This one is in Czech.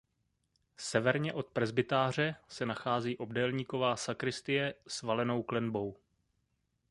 Severně od presbytáře se nachází obdélníková sakristie s valenou klenbou.